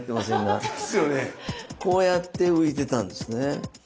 こうやって浮いてたんですね。